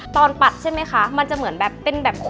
ตอนปัดใช่ไหมคะมันจะเหมือนแบบ